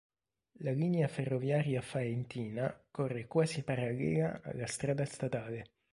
La linea ferroviaria faentina corre quasi parallela alla strada statale.